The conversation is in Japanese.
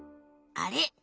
あれ？